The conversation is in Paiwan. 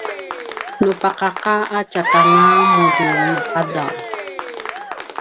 nu paqaqa a tjakanga muri maqadv